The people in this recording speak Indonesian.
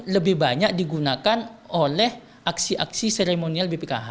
lebih banyak digunakan oleh aksi aksi seremonial bpkh